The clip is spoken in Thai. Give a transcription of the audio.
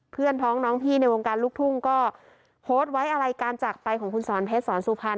เพื่อนพ้องน้องพี่ในวงการลูกทุ่งก็โพสต์ไว้อะไรการจากไปของคุณสอนเพชรสอนสุพรรณ